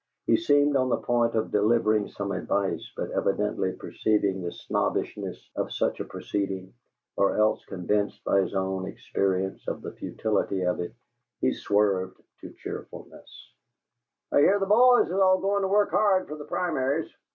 He seemed on the point of delivering some advice, but evidently perceiving the snobbishness of such a proceeding, or else convinced by his own experience of the futility of it, he swerved to cheerfulness: "I hear the boys is all goin' to work hard fer the primaries.